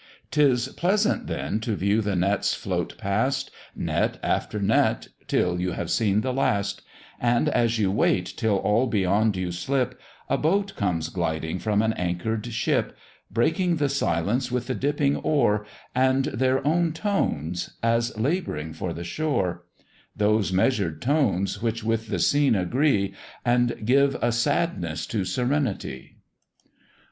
Tis pleasant then to view the nets float past, Net after net till you have seen the last: And as you wait till all beyond you slip, A boat comes gliding from an anchor'd ship, Breaking the silence with the dipping oar, And their own tones, as labouring for the shore; Those measured tones which with the scene agree, And give a sadness to serenity.